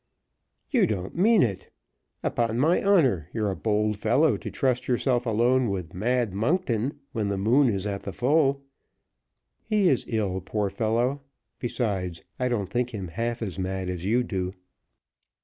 "You don't mean it! Upon my honor, you're a bold fellow to trust yourself alone with 'Mad Monkton' when the moon is at the full." "He is ill, poor fellow. Besides, I don't think him half as mad as you do."